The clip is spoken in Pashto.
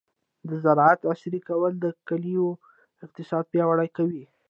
د زراعت عصري کول د کلیو اقتصاد پیاوړی کوي.